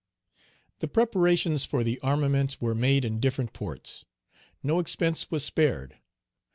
The preparations for the armament were made in different ports. No expense was spared.